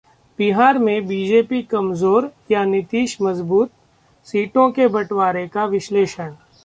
बिहार में बीजेपी कमजोर या नीतीश मजबूत? सीटों के बंटवारे का विश्लेषण